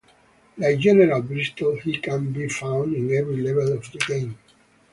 Like General Bristol, he can be found in every level of the game.